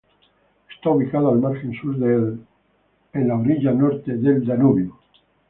Está ubicado al margen sur de la del en la orilla norte del Danubio.